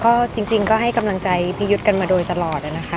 ก็จริงก็ให้กำลังใจพี่ยุทธ์กันมาโดยตลอดนะคะ